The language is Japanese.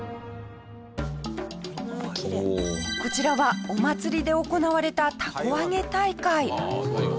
こちらはお祭りで行われた凧揚げ大会。